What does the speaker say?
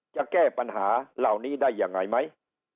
จะแก้ปัญหาเหล่านี้ได้ยังไงไหม